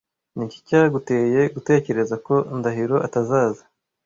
Niki cyaguteye gutekereza ko Ndahiro atazaza?